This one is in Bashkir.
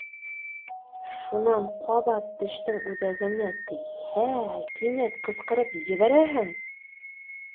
Шунан ҡабат тештең үҙәгенә тейһә, кинәт ҡысҡырып ебәрәһең.